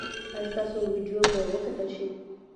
ایا ستاسو ویډیو به وکتل شي؟